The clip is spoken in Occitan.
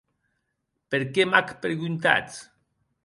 Per qué m’ac preguntatz?